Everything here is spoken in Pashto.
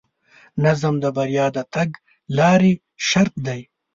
نظم د بریا د تګلارې شرط دی.